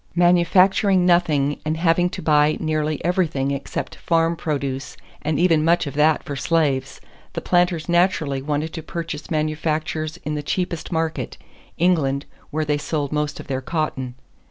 Manufacturing nothing and having to buy nearly everything except farm produce and even much of that for slaves, the planters naturally wanted to purchase manufactures in the cheapest market, England, where they sold most of their cotton.